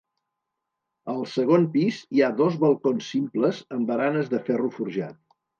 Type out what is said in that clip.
Al segon pis hi ha dos balcons simples amb baranes de ferro forjat.